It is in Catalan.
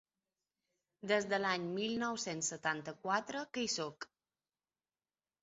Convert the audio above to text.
Des de l’any mil nou-cents setanta-quatre que hi sóc.